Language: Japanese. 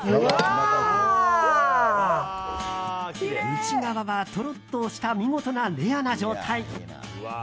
内側はとろっとした見事なレアな状態。